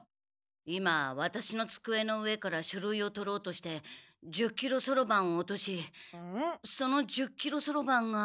今ワタシのつくえの上から書類を取ろうとして１０キロそろばんを落としその１０キロそろばんが。